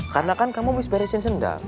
karena kan kamu bisa barisin sendal